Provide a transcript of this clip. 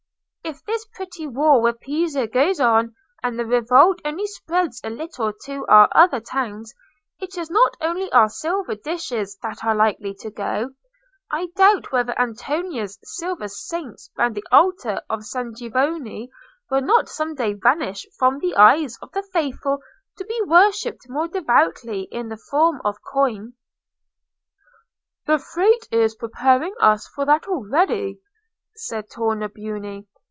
"If this pretty war with Pisa goes on, and the revolt only spreads a little to our other towns, it is not only our silver dishes that are likely to go; I doubt whether Antonio's silver saints round the altar of San Giovanni will not some day vanish from the eyes of the faithful to be worshipped more devoutly in the form of coin." "The Frate is preparing us for that already," said Tornabuoni.